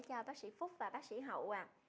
cho bác sĩ phúc và bác sĩ hậu